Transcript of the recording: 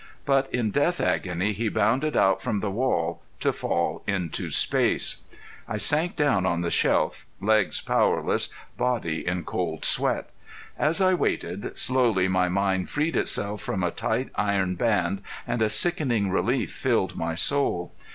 But in death agony he bounded out from the wall to fall into space. I sank down on the shelf, legs powerless, body in cold sweat. As I waited, slowly my mind freed itself from a tight iron band and a sickening relief filled my soul.